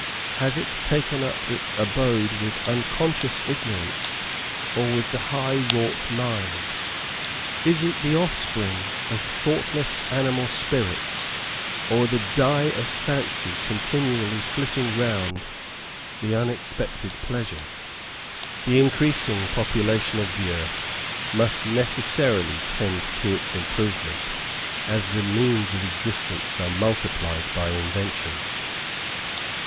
Has it taken up its abode with unconscious ignorance or with the high wrought mind? Is it the offspring of thoughtless animal spirits or the dye of fancy continually flitting round the expected pleasure? The increasing population of the earth must necessarily tend to its improvement, as the means of existence are multiplied by invention.